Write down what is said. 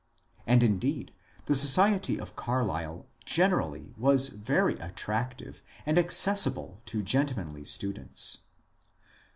And indeed the society of Carlisle generally was very attractive and accessible to gentlemanly students.